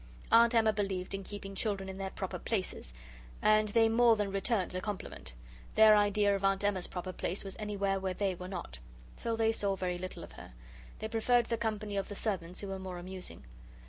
Aunt Emma believed in keeping children in their proper places. And they more than returned the compliment. Their idea of Aunt Emma's proper place was anywhere where they were not. So they saw very little of her. They preferred the company of the servants, who were more amusing.